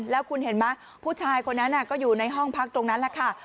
แล้วคุณเห็นไหมผู้ชายคนนั้นก็อยู่ในห้องพักตรงนั้นแหละค่ะ